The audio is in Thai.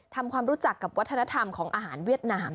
ทำความรู้จักกับวัฒนธรรมของอาหารเวียดนาม